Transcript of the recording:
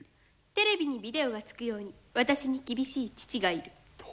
テレビにビデオがつくように私に厳しい父がいる。